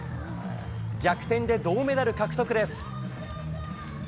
逆転で銅メダル獲得です。